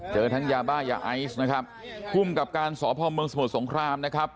เจอทั้งยาบ้ายาอิซนะครับคุมกับการสอบพล่อมึงสมุทรสงครามนะครับ